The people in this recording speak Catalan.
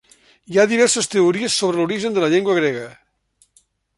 Hi ha diverses teories sobre l'origen de la llengua grega.